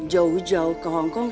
jauh jauh ke hongkong